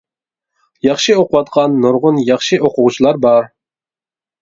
ياخشى ئوقۇۋاتقان نۇرغۇن ياخشى ئوقۇغۇچىلار بار.